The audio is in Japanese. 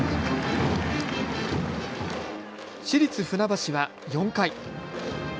市立船橋は４回。